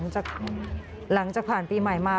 ค่ะหลังจากผ่านปีใหม่มา